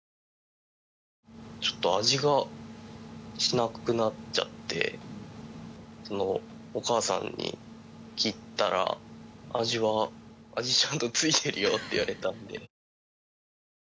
味がしなくなっちゃってお母さんに聞いたら味はちゃんとついているよと言われたので。